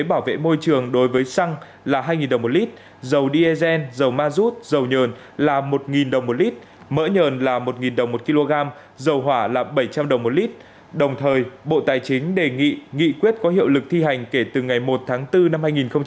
bộ tài chính đề nghị nghị quyết có hiệu lực thi hành kể từ ngày một tháng bốn năm hai nghìn hai mươi hai